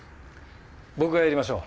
僕がやりましょう。